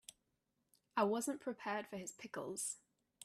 I wasn't prepared for his pickles.